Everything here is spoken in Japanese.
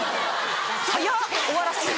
早っ終わらすの！